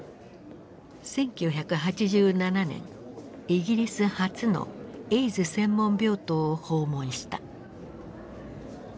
１９８７年イギリス初のエイズ専門病棟を訪問した。